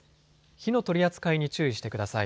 火の取り扱いに注意してください。